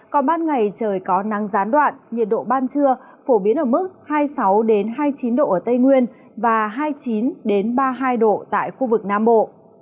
còn ban ngày trời có nắng gián đoạn nhiệt độ ban trưa phổ biến ở mức hai mươi sáu hai mươi chín độ ở tây nguyên và hai mươi chín ba mươi hai độ tại khu vực nam bộ